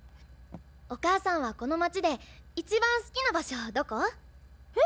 お母さんはこの街で一番好きな場所どこ？へ？